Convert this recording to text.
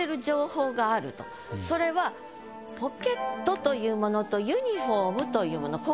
それは「ポケット」というものと「ユニフォーム」というもの。